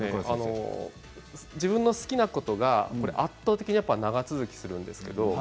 自分の好きなことが圧倒的に長続きするんですね。